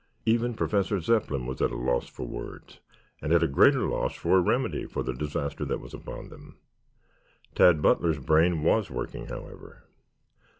Even Professor Zepplin was at a loss for words, and at a greater loss for a remedy for the disaster that was upon them. Tad Butler's brain was working, however.